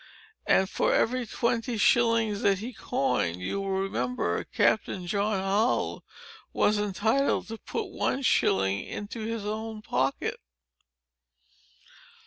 And for every twenty shillings that he coined, you will remember, Captain John Hull was entitled to put one shilling into his own pocket.